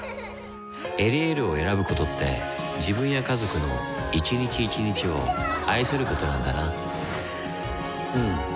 「エリエール」を選ぶことって自分や家族の一日一日を愛することなんだなうん。